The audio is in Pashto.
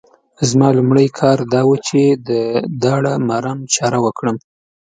زما لومړی کار دا وو چې د داړه مارانو چاره وکړم.